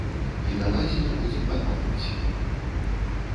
І давайце не будзем падманваць сябе.